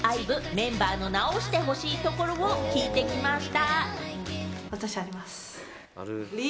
メンバーの直してほしいところを聞いてきました。